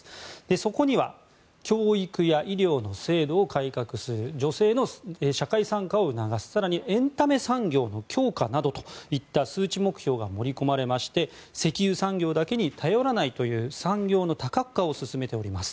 そこには教育や医療の制度を改革する女性の社会参加を促す更にエンタメ産業の強化などといった数値目標が盛り込まれまして石油産業だけに頼らないという産業の多角化を進めております。